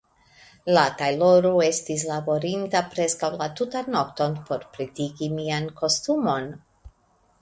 La tajloro estis laborinta preskaŭ la tutan nokton por pretigi mian kostumon.